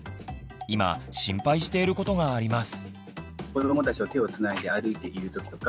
今心配していることがあります。